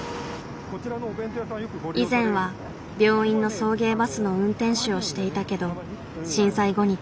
以前は病院の送迎バスの運転手をしていたけど震災後に転職。